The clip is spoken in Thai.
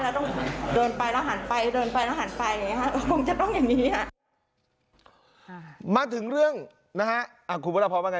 แล้วต้องเดินไปแล้วหันไป